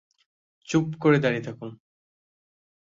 চুপ করে দাঁড়িয়ে থাকুন।